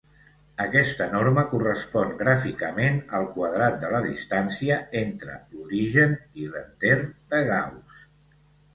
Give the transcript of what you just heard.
Aquesta norma correspon gràficament al quadrat de la distància entre l'origen i l'enter de Gauss.